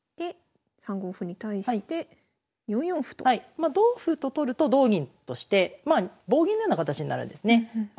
まあ同歩と取ると同銀として棒銀のような形になるんですね。